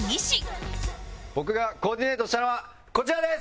僕がコーディネートしたのはこちらです！